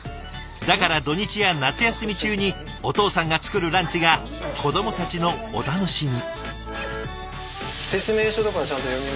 だから土日や夏休み中にお父さんが作るランチが子どもたちのお楽しみ。